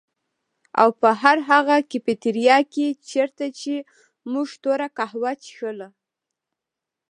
او په هر هغه کيفېټيريا کي چيرته چي مونږ توره کهوه څښله